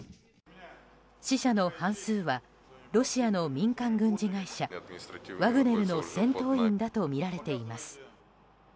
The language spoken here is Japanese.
死者の半数はロシアの民間軍事会社ワグネルの戦闘員だとみられています。